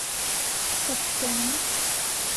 Таптыңмы?